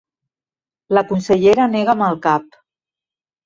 La consellera nega amb el cap.